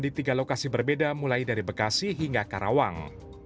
di tiga lokasi berbeda mulai dari bekasi hingga karawang